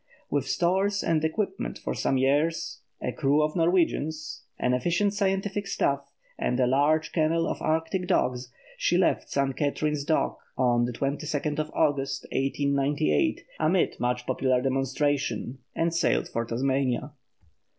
With stores and equipment for some years, a crew of Norwegians, an efficient scientific staff, and a large kennel of Arctic dogs, she left St. Katherine's Dock on August 22, 1898, amid much popular demonstration and sailed for Tasmania.